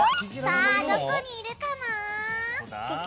どこにいるかな？